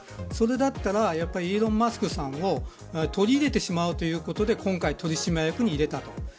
それだったら、イーロン・マスクさんを取り入れてしまうということで今回、取締役に入れたと。